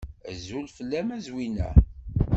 Azul fell-am a Zwina.